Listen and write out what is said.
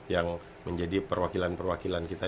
yang menjadi perwakilan perwakilan kita